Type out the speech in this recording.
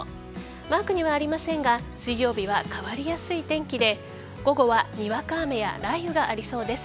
マークにはありませんが水曜日は変わりやすい天気で午後はにわか雨や雷雨がありそうです。